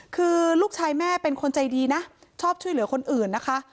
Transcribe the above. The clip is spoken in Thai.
คือลูกชายแม่เป็นคนใจดีนะชอบช่วยเหลือคนอื่นนะคะ